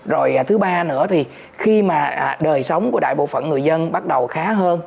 rồi thứ ba nữa thì khi mà đời sống của đại bộ phận người dân bắt đầu khá hơn